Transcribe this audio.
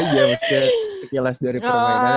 you think aja sekilas dari permainannya